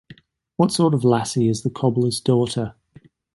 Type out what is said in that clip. What sort of lassie is the cobbler's daughter?